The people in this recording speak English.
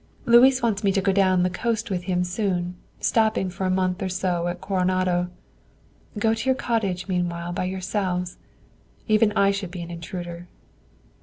Louis wants me to go down the coast with him soon, stopping for a month or so at Coronado. Go to your cottage meanwhile by yourselves; even I should be an intruder.